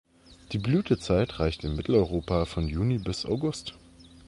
Die Blütezeit reicht in Mitteleuropa von Juni bis August.